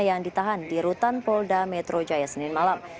yang ditahan di rutan polda metro jaya senin malam